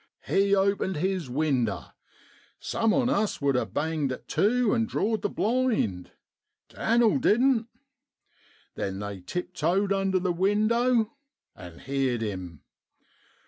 He opened his winder. Some on us would ha' banged it tu an' drawed the blind. Dan'l didn't. Then they tiptoed under the window, and heerd him.